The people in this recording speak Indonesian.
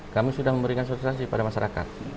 kami sudah memberikan sosialisasi pada masyarakat